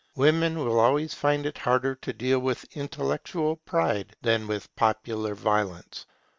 Women will always find it harder to deal with intellectual pride than with popular violence.